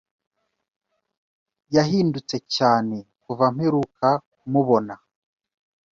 Yahindutse cyane kuva mperuka kumubona.